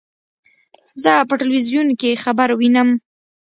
زه په ټلویزیون کې خبر وینم.